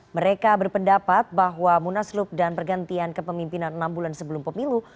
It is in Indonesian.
mereka berpendapat bahwa munaslup dan pergantian kepemimpinan enam bulan sebelum pemilu